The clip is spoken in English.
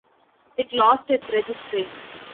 It lost its registry.